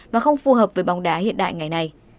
và không phù hợp với bóng đá hiện đại ngày nay